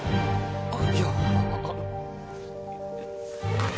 あっいや。